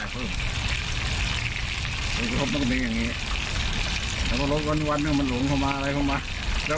เพราะโดนขโมยไฟอะไรนั่นหมดฝ